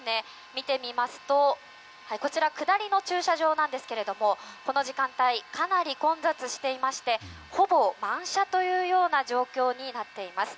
見てみますとこちら、下りの駐車場なんですがこの時間帯かなり混雑していましてほぼ満車という状況になっています。